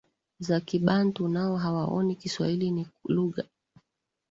za Kibantu nao hawaoni Kiswahili ni lugha